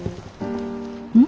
うん？